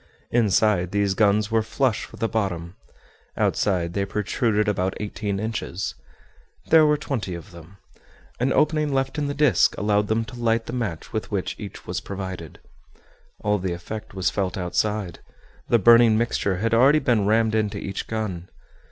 Inside, these guns were flush with the bottom; outside, they protruded about eighteen inches. There were twenty of them. An opening left in the disc allowed them to light the match with which each was provided. All the effect was felt outside. The burning mixture had already been rammed into each gun.